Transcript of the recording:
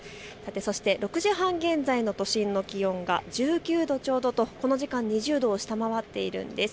６時半現在の都心の気温は１９度ちょうどとこの時間、２０度を下回っています。